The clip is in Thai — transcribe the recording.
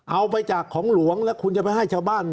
เอาไปจากของหลวงแล้วคุณจะไปให้ชาวบ้าน